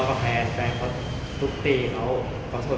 ไม่มีทางที่หรอ